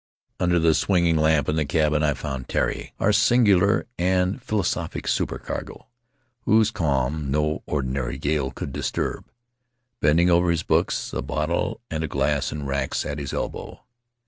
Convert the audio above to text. Under the swinging lamp in the cabin I found Tari — our singular and philosophic supercargo, whose calm no ordinary gale could disturb — bending over his books, a bottle and a glass in racks at his elbow.